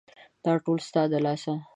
دا ټوله ستا د لاسه !